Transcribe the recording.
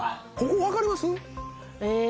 ここ分かります？え？